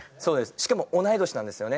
しかも同い年なんですよね